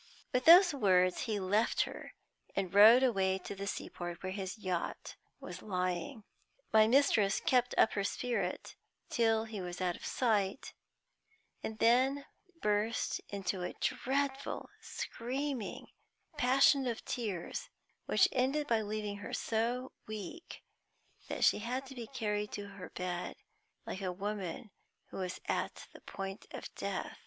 With those words he left her, and rode away to the sea port where his yacht was lying. My mistress kept up her spirit till he was out of sight, and then burst into a dreadful screaming passion of tears, which ended by leaving her so weak that she had to be carried to her bed like a woman who was at the point of death.